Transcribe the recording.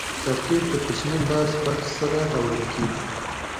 چاکلېټ له کوچني لاسي بکس سره راوړل کېږي.